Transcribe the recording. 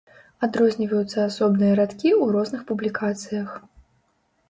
Адрозніваюцца асобныя радкі ў розных публікацыях.